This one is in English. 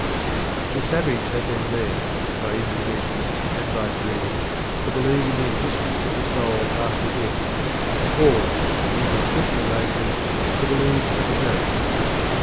The savage has been led by indigestion and by dreams to believe in the existence of the soul after death or, using simpler language, to believe in ghosts.